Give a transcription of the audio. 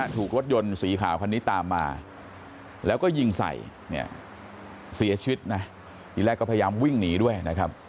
ถูกรถยนต์สีขาวคันนี้ตามมาแล้วก็ยิงใส่เนี่ยเสียชีวิตนะทีแรกก็พยายามวิ่งหนีด้วยนะครับ